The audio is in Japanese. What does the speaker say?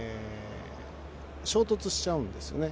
衝突しちゃうんですよね。